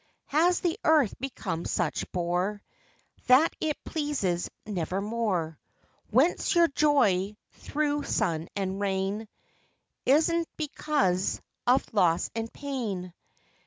Has the earth become such bore That it pleases nevermore? Whence your joy through sun and rain? Is 't because of loss of pain?